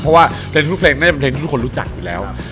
เพราะว่าเพลงที่ทุกคนรู้จักอยู่แล้ว